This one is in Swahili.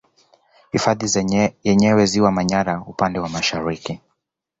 Hifadhi yenyewe Ziwa Manyara upande wa Mashariki